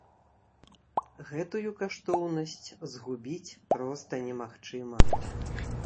Гэтую каштоўнасць згубіць проста немагчыма.